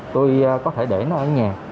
tôi có thể để nó ở nhà